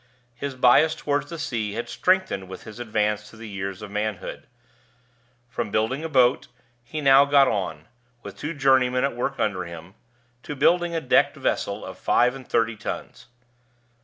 His bias toward the sea had strengthened with his advance to the years of manhood. From building a boat, he had now got on with two journeymen at work under him to building a decked vessel of five and thirty tons.